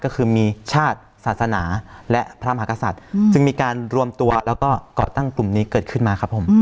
ก็คือมีชาติศาสนาและพระมหากษัตริย์จึงมีการรวมตัวแล้วก็ก่อตั้งกลุ่มนี้เกิดขึ้นมาครับผม